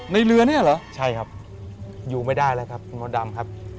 เรือเนี่ยเหรอใช่ครับอยู่ไม่ได้แล้วครับคุณมดดำครับ